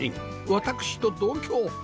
私と同郷！